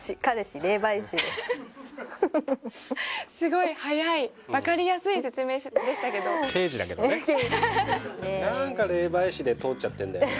フフフッすごい速い分かりやすい説明でしたけど何か霊媒師で通っちゃってんだよなあ